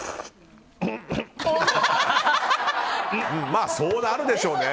まあそうなるでしょうね。